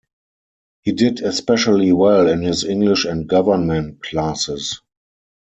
He did especially well in his English and government classes.